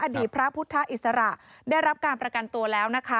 อดีตพระพุทธอิสระได้รับการประกันตัวแล้วนะคะ